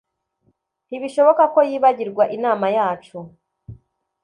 Ntibishoboka ko yibagirwa inama yacu